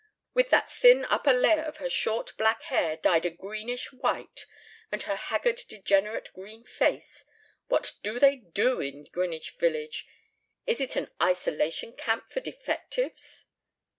with that thin upper layer of her short black hair dyed a greenish white, and her haggard degenerate green face. What do they do in Greenwich Village? Is it an isolation camp for defectives?"